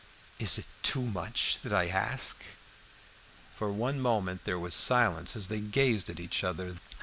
Is it too much that I ask?" For one moment there was silence as they gazed at each other.